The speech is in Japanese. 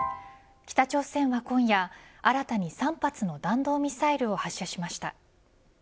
北朝鮮は今夜新たに３発の弾道ミサイルを発射しました。